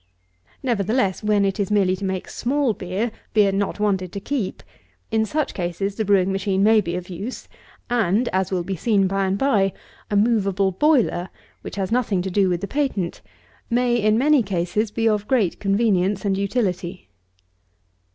Nevertheless, when it is merely to make small beer; beer not wanted to keep; in such cases the brewing machine may be of use; and, as will be seen by and by, a moveable boiler (which has nothing to do with the patent) may, in many cases, be of great convenience and utility.